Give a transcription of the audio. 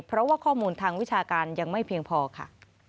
เพราะว่าข้อมูลทางวิชาการยังไม่เพียงพอค่ะ